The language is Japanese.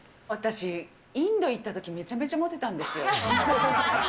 私、インド行ったとき、めちゃめちゃモテたんですよ。